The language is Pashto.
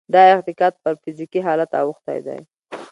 دا اعتقاد پر فزيکي حالت اوښتی دی.